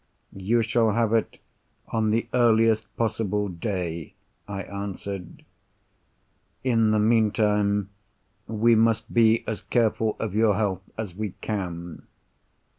"You shall have it on the earliest possible day," I answered. "In the meantime, we must be as careful of your health as we can.